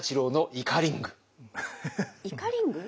イカリング。